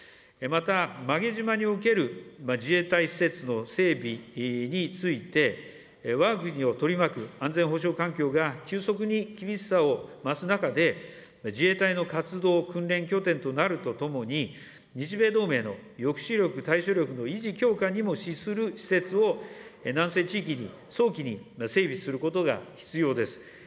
また、馬毛島における自衛隊施設の整備についてわが国を取り巻く安全保障環境が急速に厳しさを増す中で、自衛隊の活動、訓練拠点となるとともに、日米同盟の抑止力、対処力の維持強化にも資する施設を南西地域に早期に整備することが必要です。